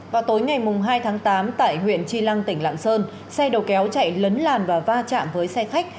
vào tối ngày hai tháng tám tại huyện chi lăng tỉnh lạng sơn xe đầu kéo chạy lấn làn và va chạm với xe khách